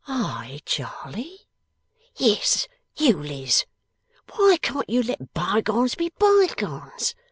'I, Charley?' 'Yes, you, Liz. Why can't you let bygones be bygones?